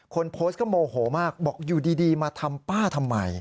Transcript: คนโพสต์ก็โมโหมากบอกอยู่ดีมาทำป้าทำไม